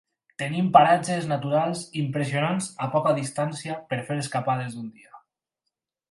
Tenim paratges naturals impressionants a poca distància per fer escapades d'un dia.